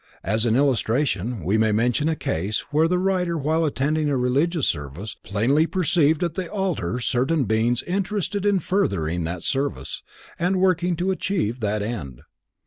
As an illustration we may mention a case where the writer while attending religious service, plainly perceived at the altar certain beings interested in furthering that service and working to achieve that end.